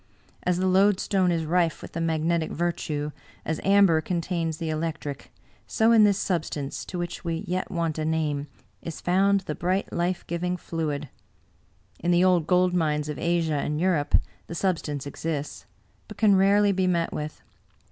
As the loadstone is rife with the magnetic virtue, as amber contains the electric, so in this substance, to which we yet want a name, is found the bright life giving fluid. In the old gold mines of Asia and Europe the substance exists, but can rarely be met with.